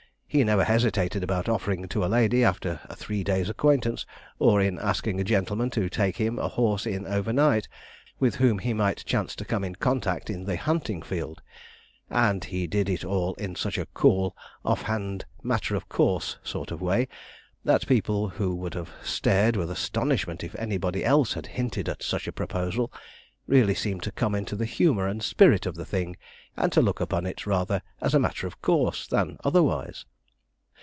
He never hesitated about offering to a lady after a three days' acquaintance, or in asking a gentleman to take him a horse in over night, with whom he might chance to come in contact in the hunting field. And he did it all in such a cool, off hand, matter of course sort of way, that people who would have stared with astonishment if anybody else had hinted at such a proposal, really seemed to come into the humour and spirit of the thing, and to look upon it rather as a matter of course than otherwise.